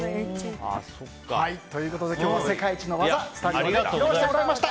今日は世界一の技をスタジオで披露してもらいました。